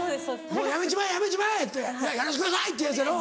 「もうやめちまえやめちまえ！」「やらしてください」ってやつやろ。